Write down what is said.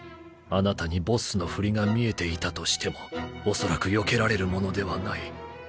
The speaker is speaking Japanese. あなたにボッスの振りが見えていたとしてもおそらくよけられるものではない